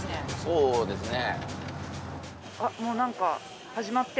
そうですね